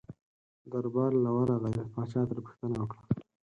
دربار له ورغی پاچا ترې پوښتنه وکړله.